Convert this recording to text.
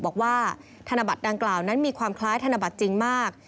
บอกว่าธนบัตรดังกล่าวนั้นมีความคล้ายธนบัตรจริงมาก